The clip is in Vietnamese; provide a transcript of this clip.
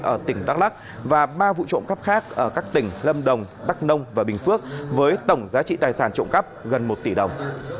ở tỉnh đắk lắc và ba vụ trộm cắp khác ở các tỉnh lâm đồng đắk nông và bình phước với tổng giá trị tài sản trộm cắp gần một tỷ đồng